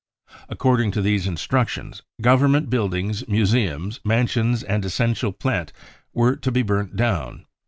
According to these <* instructions government buildings, museums, mansions | and essential plant were to be burnt down.